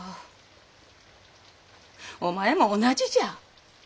お前も同じじゃ。